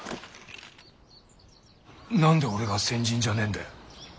何で俺が先陣じゃねえんだよ。